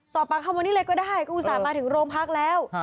ปากคำวันนี้เลยก็ได้ก็อุตส่าห์มาถึงโรงพักแล้ว